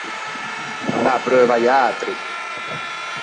Andâ apreuvo a-i atri.